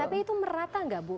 tapi itu merata nggak bu